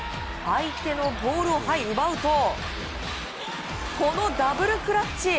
相手のボールを奪うとこのダブルクラッチ。